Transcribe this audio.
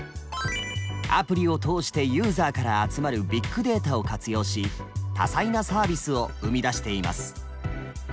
アプリを通してユーザーから集まるビッグデータを活用し多彩なサービスを生み出しています。